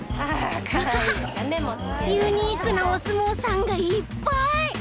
ユニークなおすもうさんがいっぱい！